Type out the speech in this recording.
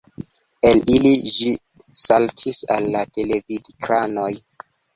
El ili ĝi saltis al la televidekranoj.